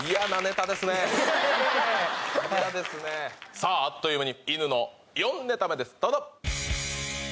さああっという間にいぬの４ネタ目ですどうぞ！